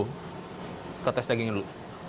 kita tes dagingnya dulu